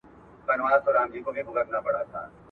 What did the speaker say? او که دواړي سترګي بندي وي څه ښه دي .